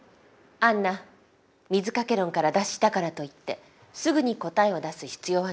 杏奈水掛け論から脱したからといってすぐに答えを出す必要はないの。